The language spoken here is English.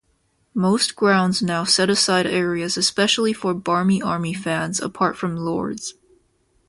Most grounds now set aside areas especially for Barmy Army fans apart from Lord's.